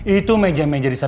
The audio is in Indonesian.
itu meja meja disana